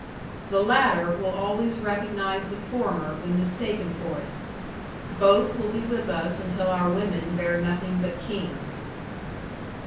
The latter will always recognize the former when mistaken for it. Both will be with us until our women bear nothing but kings.